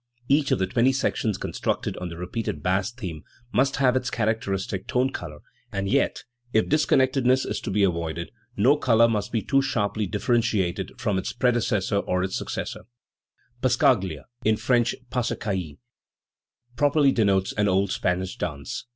Each of the twenty sections constructed on the repeated bass theme must have its characteristic tone colour, and yet, if disconnectedness is to be avoided, no colour must be too sharply differentiated from its predecessor or its successor, Passacaglia, in French passecaille properly denotes an old Spanish dance.